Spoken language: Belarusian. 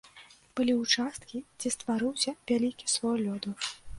Былі ўчасткі, дзе стварыўся вялікі слой лёду.